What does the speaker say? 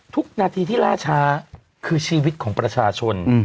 ทุกนาทีที่ล่าช้าคือชีวิตของประชาชน